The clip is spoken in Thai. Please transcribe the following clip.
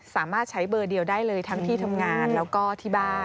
สามารถใช้เบอร์เดียวได้เลยทั้งที่ทำงานแล้วก็ที่บ้าน